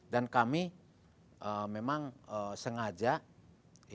dan kami memang sengaja ini dikonsumsi